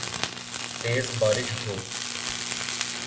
تیز بارش ہو